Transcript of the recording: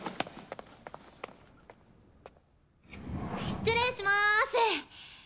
失礼します。